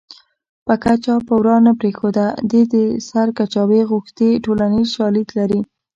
پکه چا په ورا نه پرېښوده دې د سر کجاوې غوښتې ټولنیز شالید لري